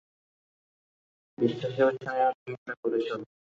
বিশ্বাসই হচ্ছে না তুমি এটা করেছ।